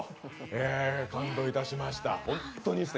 感動いたしました。